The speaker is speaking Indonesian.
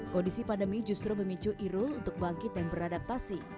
kondisi pandemi justru memicu irul untuk bangkit dan beradaptasi